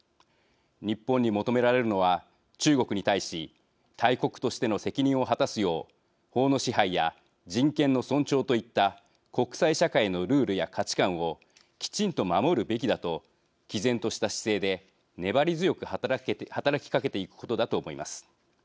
日本に求められるのは中国に対し大国としての責任を果たすよう法の支配や人権の尊重といった国際社会のルールや価値観をきちんと守るべきだときぜんとした姿勢で粘り強く働きかけていくことだと思います。